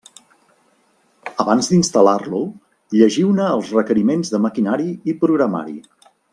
Abans d'instal·lar-lo llegiu-ne els requeriments de maquinari i programari.